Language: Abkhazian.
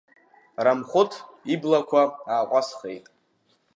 Рамхәыҭ иблақәа ааҟәазхеит.